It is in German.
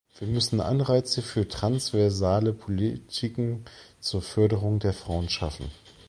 Wir müssen Anreize für transversale Politiken zur Förderung der Frauen schaffen.